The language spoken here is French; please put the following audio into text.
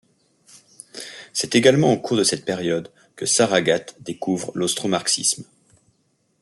C'est également au cours de cette période que Saragat découvre l'austromarxisme.